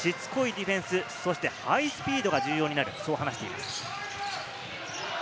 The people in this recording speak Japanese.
シュート、しつこいディフェンス、そしてハイスピードが重要になると話しています。